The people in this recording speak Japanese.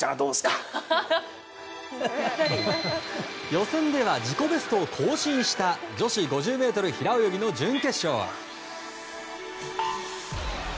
予選では自己ベストを更新した女子５０ｍ平泳ぎの準決勝。